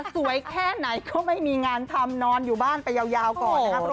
สวยแค่ไหนก็ไม่มีงานทำนอนอยู่บ้านไปยาวก่อนนะครับ